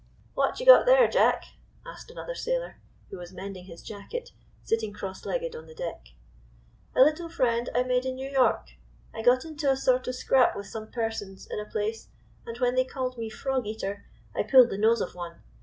" What you got there, Jack?" asked another sailor, who was mending his jacket, sitting cross legged on the deck. "A little friend I made in New York. I got into a sort of scrap with some persons in a place, and when they called me frog eater I pulled the nose of one.